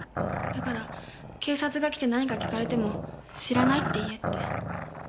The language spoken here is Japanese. だから警察が来て何か訊かれても知らないって言えって。